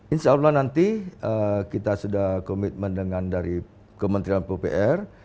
insya allah nanti kita sudah komitmen dengan dari kementerian pupr